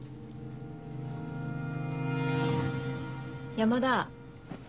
山田。